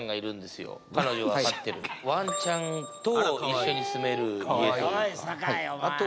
ワンちゃんと一緒に住める家というか。